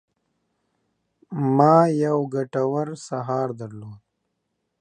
ما یو ګټور سهار درلود.